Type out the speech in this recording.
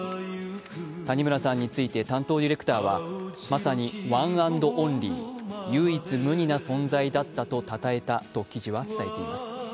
谷村さんについて担当ディレクターはまさにワン・アンド・オンリー、唯一無二な存在だったとたたえたと記事は伝えています。